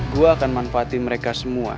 gue akan manfaati mereka semua